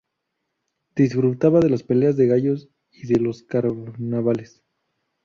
Disfrutaba de las peleas de gallos y de los carnavales.